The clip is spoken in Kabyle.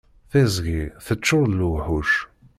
Tiẓgi teččur d luḥuc.